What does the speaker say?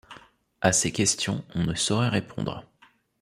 À ces questions, on ne saurait répondre.